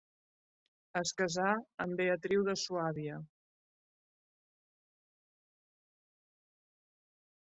Es casà amb Beatriu de Suàbia.